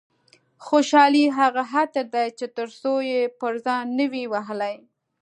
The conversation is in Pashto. خوشحالي هغه عطر دي چې تر څو پر ځان نه وي وهلي.